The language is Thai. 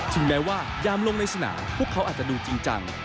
แม้ว่ายามลงในสนามพวกเขาอาจจะดูจริงจัง